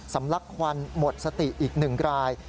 ลักควันหมดสติอีก๑ราย